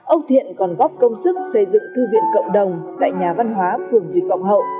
ông thiện còn góp công sức xây dựng thư viện cộng đồng tại nhà văn hóa phường dịch vọng hậu